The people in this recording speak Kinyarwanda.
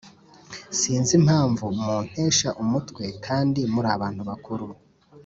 Sinzi impamvu muntesha umutwe kandi murabantu bakuru